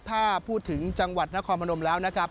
ถ้าพูดถึงจังหวัดนครพนมแล้วนะครับ